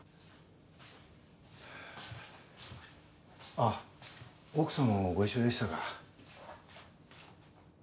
あぁ奥様もご一緒でしたか。